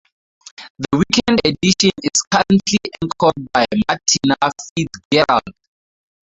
The weekend edition is currently anchored by Martina Fitzgerald.